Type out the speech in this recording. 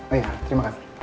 oh iya terima kasih